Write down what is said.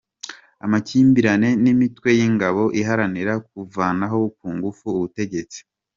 amakimbirane n’imitwe y’ingabo iharanira kuvanaho ku ngufu ubutegetsi